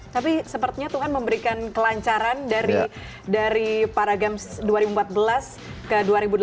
tapi sepertinya tuhan memberikan kelancaran dari para games dua ribu empat belas ke dua ribu delapan belas